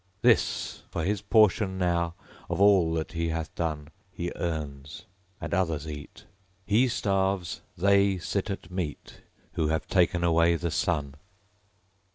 This, for his portion now, of all that he hath done. He earns; and others eat. He starves; they sit at meat Who have taken away the Sun.